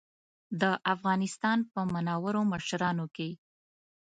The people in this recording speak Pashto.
د افغانستان په منورو مشرانو کې.